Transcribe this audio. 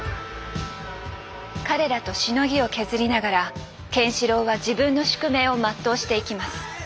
彼らとしのぎを削りながらケンシロウは自分の宿命を全うしていきます。